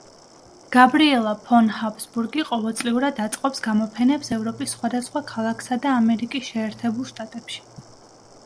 გაბრიელა ფონ ჰაბსბურგი ყოველწლიურად აწყობს გამოფენებს ევროპის სხვადასხვა ქალაქსა და ამერიკის შეერთებულ შტატებში.